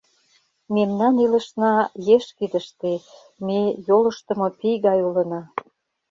Мемнан илышна — еш кидыште, ме йолыштымо пий гай улына.